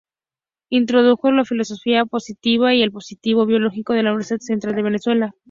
Introdujo la filosofía positivista y el positivismo biológico en la Universidad Central de Venezuela.